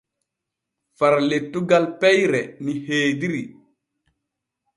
Far lettugal peyre ni heediri.